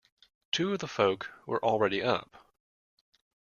Two of the Folk were already up.